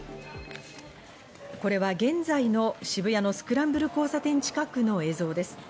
これは現在の渋谷のスクランブル交差点近くの映像です。